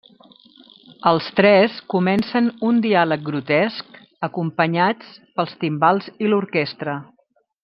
Els tres comencen un diàleg grotesc, acompanyats pels timbals i l'orquestra.